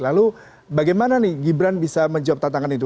lalu bagaimana nih gibran bisa menjawab tantangan itu